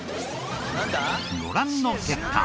ご覧の結果。